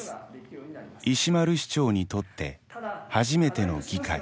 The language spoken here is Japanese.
石丸市長にとって初めての議会。